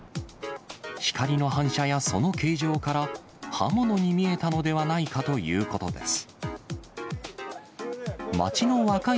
光の反射やその形状から、刃物に見えたのではないかということです。